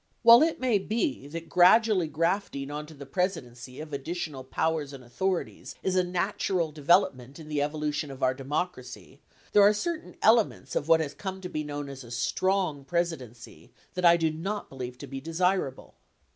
While it may be that gradually grafting onto the Presidency of additional powers and authorities is a natural development in the evolution of our democracy, 1113 there are certain elements of what has come to be known as a "strong" Presidency that I do not believe to be desirable.